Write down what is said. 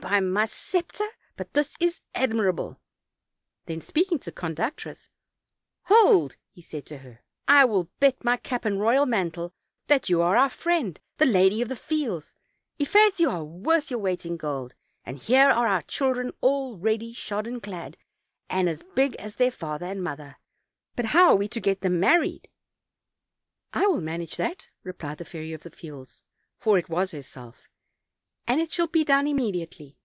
by my scepter, but this is ad mirable!" Then speaking to the conductress: "Hold," said he to her, "I will bet my cap and royal mantle that you are our friend, the lady of the fields; i' faith, you are worth your weight in gold, and here are our children, all ready shod and clad, and as big as their father and mother; but how are we to get them married?" "I will manage that," replied the Fairy of the Fields, for it was herself, "and it shall be done immediately."